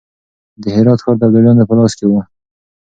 د هرات ښار د ابدالیانو په لاس کې و.